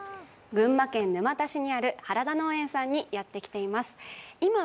群馬県沼田市にある原田農園さんにやってきています。